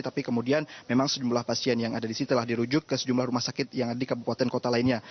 tapi kemudian memang sejumlah pasien yang ada di sini telah dirujuk ke sejumlah rumah sakit yang ada di kabupaten kota lainnya